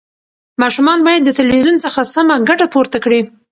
ماشومان باید د تلویزیون څخه سمه ګټه پورته کړي.